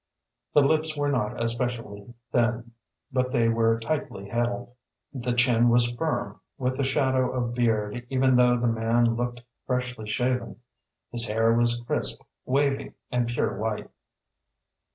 The lips were not especially thin, but they were tightly held. The chin was firm, with a shadow of beard even though the man looked freshly shaven. His hair was crisp, wavy, and pure white.